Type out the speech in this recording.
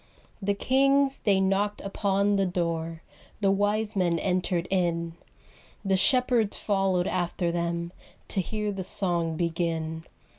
The kings they knocked upon the door, The wise men entered in, The shepherds followed after them To hear the song begin.